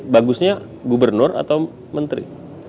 bagusnya gubernur atau menteri